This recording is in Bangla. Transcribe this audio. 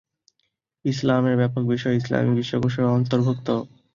ইসলামের ব্যাপক বিষয় ইসলামি বিশ্বকোষের অন্তর্ভুক্ত।